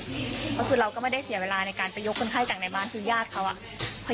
ก็คือเราก็ไม่ได้เสียเวลาในการไปยกคนไข้จากในบ้านคือญาติเขาอ่ะ